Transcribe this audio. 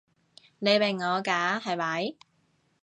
你明我㗎係咪？